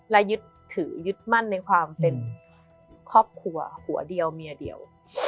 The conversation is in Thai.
และยึดถือยึดมั่นในความเป็นครอบครัวหัวเดียวเมียเดียว